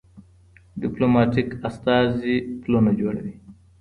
ډیپلوماټیک استازي پلونه جوړوي.